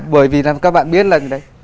bởi vì các bạn biết là